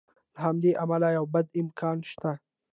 له همدې امله یو بد امکان شته.